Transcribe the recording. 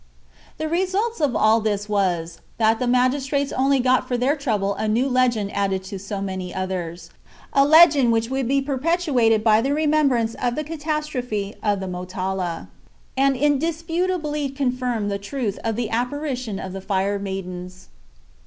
The result of all this was, that the magistrates only got for their trouble a new legend added to so many others—a legend which would be perpetuated by the remembrance of the catastrophe of the Motala, and indisputably confirm the truth of the apparition of the Fire Maidens.